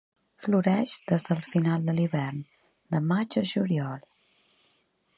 Floreix des del final de l'hivern, de maig a juliol.